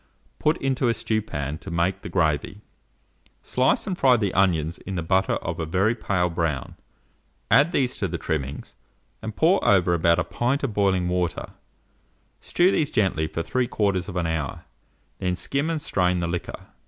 put into a stewpan to make the gravy; slice and fry the onions in the butter of a very pale brown; add these to the trimmings, and pour over about a pint of boiling water; stew these gently for 3/4 hour, then skim and strain the liquor.